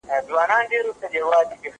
زه پرون کتابونه وليکل؟